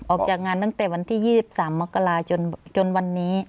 ออกจากงานตั้งแต่วันที่๒๓มกราจนวันนี้